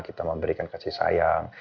kita memberikan kasih sayang